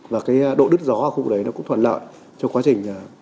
và cái độ đứt gió ở khu đấy nó cũng thuận lợi cho quá trình